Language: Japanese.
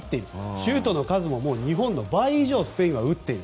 シュートの数も日本の倍以上スペインは打っている。